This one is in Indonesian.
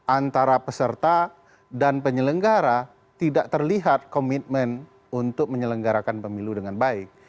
antara peserta dan penyelenggara tidak terlihat komitmen untuk menyelenggarakan pemilu dengan baik